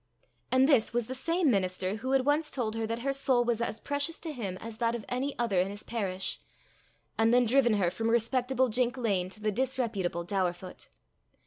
And this was the same minister who had once told her that her soul was as precious to him as that of any other in his parish and then driven her from respectable Jink Lane to the disreputable Daurfoot!